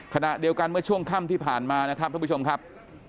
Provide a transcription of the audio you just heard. ขณะเดียวกันเมื่อช่วงค่ำที่ผ่านมานะครับท่านผู้ชมครับ